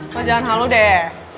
lo jangan halo deh